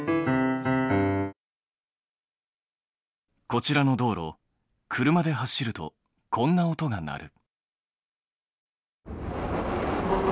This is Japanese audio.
こちらの道路車で走るとこんな音が鳴る。